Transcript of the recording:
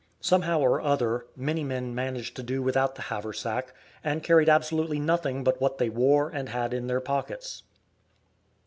Somehow or other, many men managed to do without the haversack, and carried absolutely nothing but what they wore and had in their pockets.